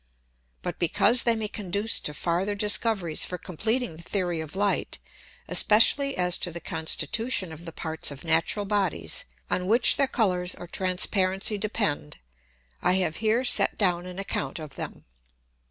But because they may conduce to farther Discoveries for compleating the Theory of Light, especially as to the constitution of the parts of natural Bodies, on which their Colours or Transparency depend; I have here set down an account of them.